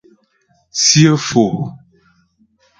Tsyə́ Fò.